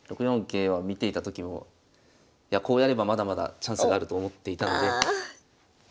６四桂は見ていた時もこうやればまだまだチャンスがあると思っていたので。